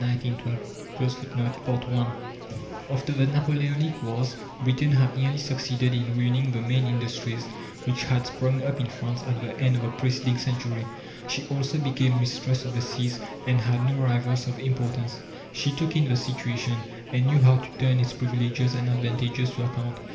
CHAPTER XVI THE DECENTRALIZATION OF INDUSTRY I After the Napoleonic wars Britain had nearly succeeded in ruining the main industries which had sprung up in France at the end of the preceding century. She also became mistress of the seas and had no rivals of importance. She took in the situation, and knew how to turn its privileges and advantages to account.